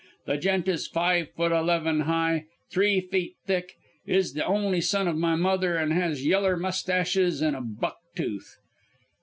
The gent is five foot eleven high, three feet thick, is the only son of my mother, an' has yeller mustaches and a buck tooth.'